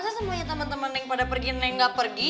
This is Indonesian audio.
masa semuanya temen temen neng pada pergi neng nggak pergi